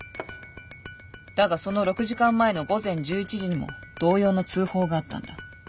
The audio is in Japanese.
だがその６時間前の午前１１時にも同様の通報があったんだ。